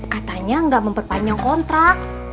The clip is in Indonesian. katanya gak memperpanjang kontrak